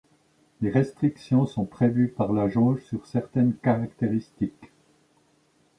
Des restrictions sont prévues par la jauge sur certaines caractéristiques.